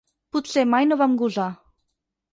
Potser mai no vam gosar.